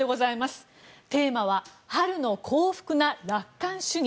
テーマは春の幸福な楽観主義。